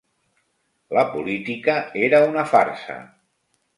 La política era una farsa